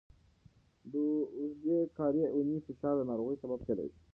د اوږدې کاري اونۍ فشار د ناروغۍ سبب کېدای شي.